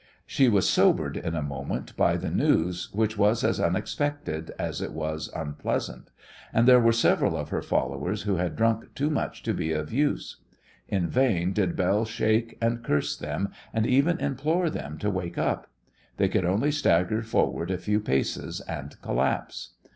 She was sobered in a moment by the news, which was as unexpected as it was unpleasant; and there were several of her followers who had drunk too much to be of use. In vain did Belle shake and curse them and even implore them to wake up. They could only stagger forward a few paces and collapse.